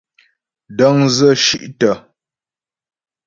Dəŋdzə shí'tə.